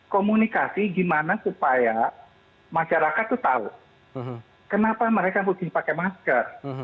komunikasi gimana supaya masyarakat itu tahu kenapa mereka harus pakai masker